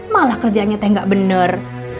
malah kerjanya teh gak bener